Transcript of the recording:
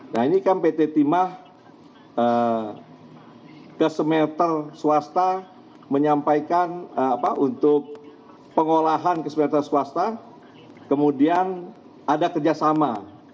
nah ini kan pt timah ke smelter swasta menyampaikan untuk pengolahan ke smelter swasta kemudian ada kerjasama